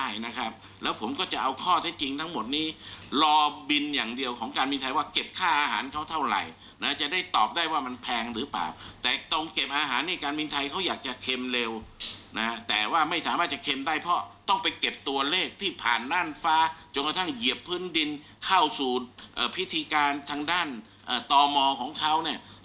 อย่างเยียบพื้นดินเข้าสู่พิธีการทางด้านตมของเขาเนี่ย